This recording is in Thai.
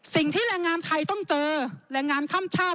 สิ่งที่แรงงานไทยต้องเจอแรงงานข้ามชาติ